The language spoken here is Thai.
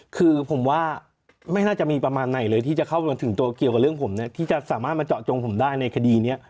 คือผมว่าไม่น่าจะมีประมาณไหนเลยที่จะเข้ามาถึงตัวเกี่ยวกับเรื่องผมเนี่ยที่จะสามารถมาเจาะจงผมได้ในคดีนี้